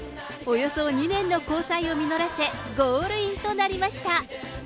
およそ２年の交際を実らせ、ゴールインとなりました。